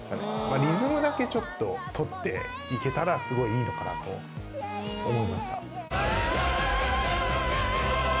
リズムだけちょっと取っていけたらすごいいいのかなと思いました。